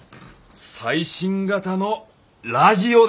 最新型のラジオです！